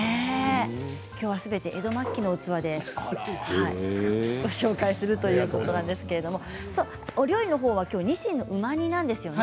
きょうはすべて江戸末期の器でご紹介するということなんですが、お料理はにしんのうま煮なんですよね。